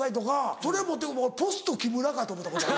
それ持ってポスト木村かと思うたことある。